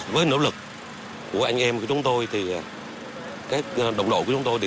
với nỗ lực của anh em của chúng tôi thì các đồng đội của chúng tôi